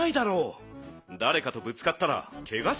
だれかとぶつかったらケガするぞ。